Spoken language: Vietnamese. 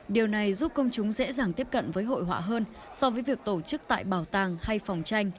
điều này giúp công chúng dễ dàng tiếp cận với hội họa hơn so với việc tổ chức tại bảo tàng hay phòng tranh